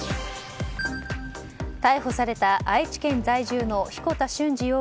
逮捕された愛知県在住の彦田峻司